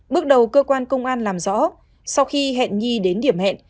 bước đầu cơ quan công an làm rõ sau khi hẹn nhi đến điểm hẹn